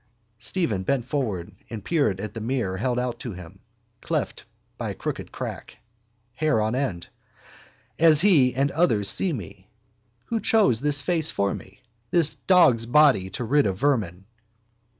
Stephen bent forward and peered at the mirror held out to him, cleft by a crooked crack. Hair on end. As he and others see me. Who chose this face for me? This dogsbody to rid of vermin.